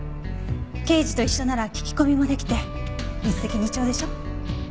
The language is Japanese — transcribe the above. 刑事と一緒なら聞き込みもできて一石二鳥でしょ。